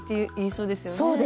そうですね。